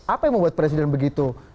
apa yang membuat presiden begitu